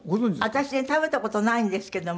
私ね食べた事ないんですけども。